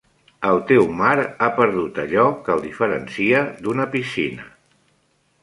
El teu mar ha perdut allò que el diferencia d'una piscina.